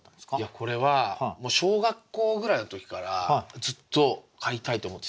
これは小学校ぐらいの時からずっと飼いたいって思ってて。